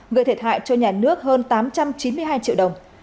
gây thiệt hại cho nhà nước hơn tám trăm chín mươi hai triệu đồng